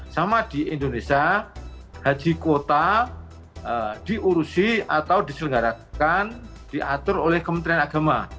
sama di indonesia haji kuota diurusi atau diselenggarakan diatur oleh kementerian agama